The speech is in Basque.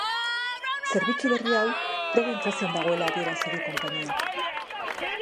Zerbitzu berri hau proben fasean dagoela adierazi du konpainiak.